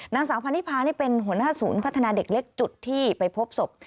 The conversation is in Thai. นางสาวพันนิพานี่เป็นหัวหน้าศูนย์พัฒนาเด็กเล็กจุดที่ไปพบศพ